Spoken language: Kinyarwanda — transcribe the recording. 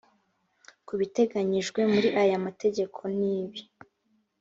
ku bitateganyijwe muri aya amategeko nibi